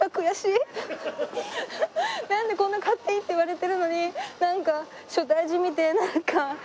なんでこんな買っていいって言われてるのになんか所帯じみてなんか。